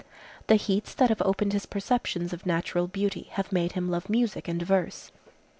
The heats that have opened his perceptions of natural beauty have made him love music and verse.